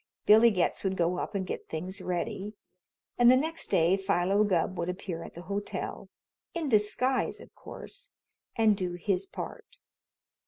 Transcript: Billy Getz would go up and get things ready, and the next day Philo Gubb would appear at the hotel in disguise, of course and do his part.